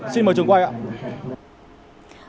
xin mời trường quay ạ